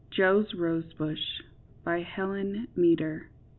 JOE'S ROSEBUSH. BY HELEN MEADER.